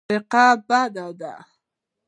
تفرقه بده ده.